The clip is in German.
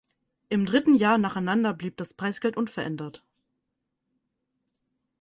Im dritten Jahr nacheinander blieb das Preisgeld unverändert.